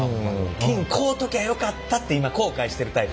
金買うときゃよかったって今後悔してるタイプ。